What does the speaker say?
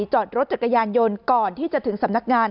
จอดรถจักรยานยนต์ก่อนที่จะถึงสำนักงาน